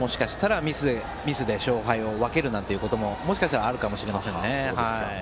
ミスが勝敗を分けるなんてことももしかしたらあるかもしれませんね。